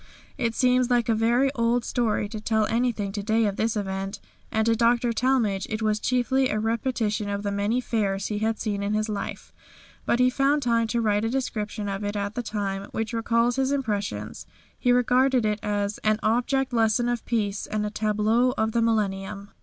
It seems like a very old story to tell anything to day of this event, and to Dr. Talmage it was chiefly a repetition of the many Fairs he had seen in his life, but he found time to write a description of it at the time, which recalls his impressions. He regarded it as "An Object Lesson of Peace and a Tableau of the Millennium."